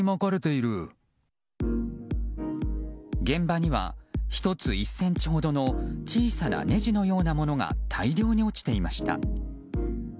現場には、１つ１ｃｍほどの小さなねじのようなものが大量に落ちていました。